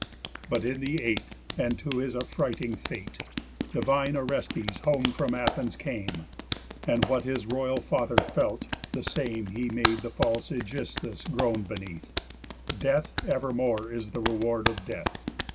But in the eighth, to his affrighting fate, Divine Orestes home from Athens came, And what his royal father felt, the same He made the false Ægisthus groan beneath. _Death evermore is the reward of death.